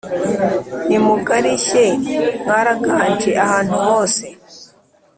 Nimugarishye mwaraganje ahantu hose